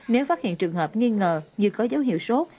nếu phát hiện trường hợp nghi ngờ như có dấu hiệu sốt